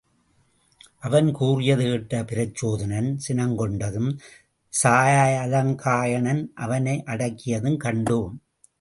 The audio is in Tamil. அவன் கூறியது கேட்ட பிரச்சோதனன், சினங்கொண்டதும் சாலங்காயணன் அவனை அடக்கியதும் கண்டோம்.